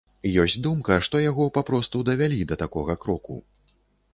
Ёсць думка, што яго папросту давялі да такога кроку.